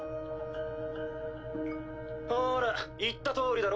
ほら言ったとおりだろ？